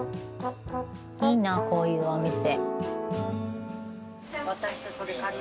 いいなこういうお店。